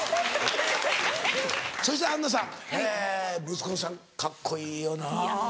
そしてアンナさん息子さんカッコいいよな。